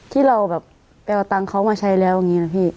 ที่เราแบบไปเอาตังค์เขามาใช้แล้วอย่างนี้นะพี่